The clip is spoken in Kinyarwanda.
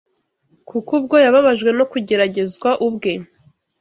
Kuko ubwo yababajwe no kugeragezwa ubwe,